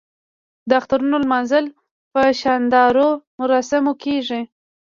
د اخترونو لمانځل په شاندارو مراسمو کیږي.